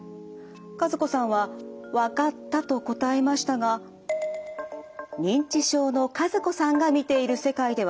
和子さんはわかったと答えましたが認知症の和子さんが見ている世界では。